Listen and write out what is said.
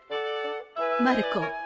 まる子。